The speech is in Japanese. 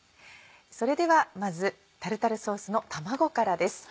それではまずタルタルソースの卵からです。